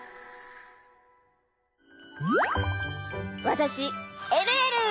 わたしえるえる！